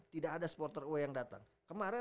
tidak ada supporter uwe yang datang kemarin